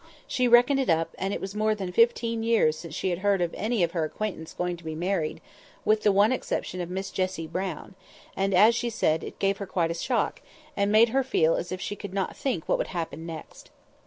She reckoned it up, and it was more than fifteen years since she had heard of any of her acquaintance going to be married, with the one exception of Miss Jessie Brown; and, as she said, it gave her quite a shock, and made her feel as if she could not think what would happen next.